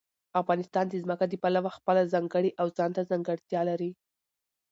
افغانستان د ځمکه د پلوه خپله ځانګړې او ځانته ځانګړتیا لري.